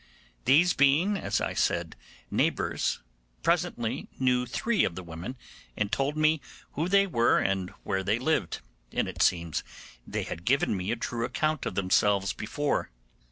These being, as I said, neighbours, presently knew three of the women and told me who they were and where they lived; and it seems they had given me a true account of themselves before.